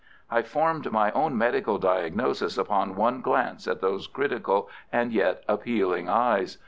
I formed my own medical diagnosis upon one glance at those critical and yet appealing eyes.